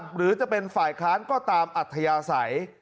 หรือจะเป็นฝ่ายค้านก็ตามอัธยาศัย